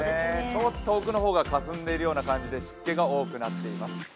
ちょっと奥の方がかすんでいるような感じで湿気が多くなっています。